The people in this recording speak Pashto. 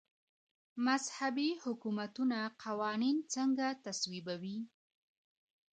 مذهبي حکومتونه قوانين څنګه تصويبوي؟